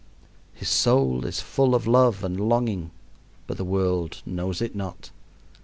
His soul is full of love and longing, but the world knows it not.